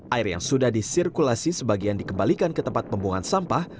air yang sudah disirkulasi sebagian dikembalikan ke tempat pembuangan sampah